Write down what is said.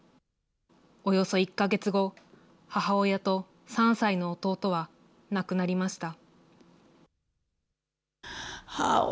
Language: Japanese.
およそ１か月後、母親と３歳の弟は亡くなりました。